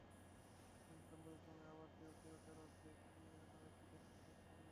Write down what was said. কিন্তু সাম্প্রতিক সময়ে আবার সেই অস্থিরতার অধ্যায় ফিরিয়ে আনার একটা চেষ্টা লক্ষণীয়।